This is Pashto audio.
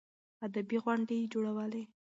ادبي غونډې يې جوړولې.